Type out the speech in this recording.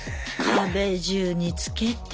壁中に付けて。